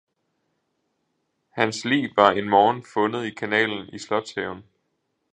– Hans lig var en morgen fundet i kanalen i Slotshaven.